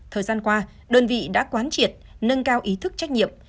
thời gian qua đơn vị đã quán triệt nâng cao ý thức trách nhiệm